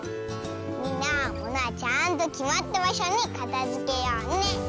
みんなものはちゃんときまったばしょにかたづけようね！